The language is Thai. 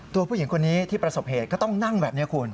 ผู้หญิงคนนี้ที่ประสบเหตุก็ต้องนั่งแบบนี้คุณ